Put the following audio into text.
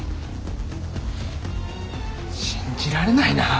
信じられないな。